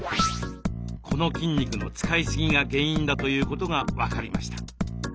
この筋肉の使いすぎが原因だということが分かりました。